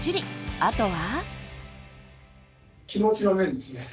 あとは。